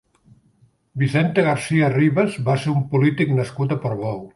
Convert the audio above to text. Vicente García Ribes va ser un polític nascut a Portbou.